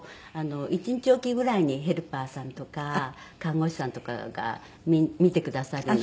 １日置きぐらいにヘルパーさんとか看護師さんとかが見てくださるので。